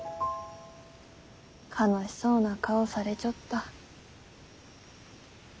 悲しそうな顔されちょった。